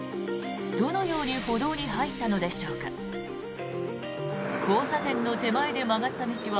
どのように歩道に入ったのでしょうか。